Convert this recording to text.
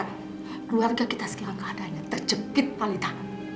keluarga kita sekirang keadaannya terjepit talitha